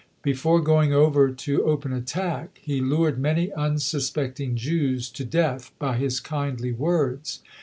Before going over to open attack, he lured many unsuspecting Jews to death by his kindly words.